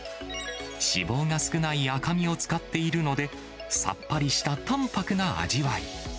脂肪が少ない赤身を使っているので、さっぱりした淡白な味わい。